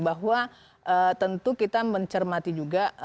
bahwa tentu kita mencermati juga